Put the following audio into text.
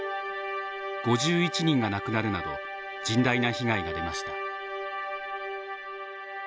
５１人が亡くなるなど甚大な被害が出ました。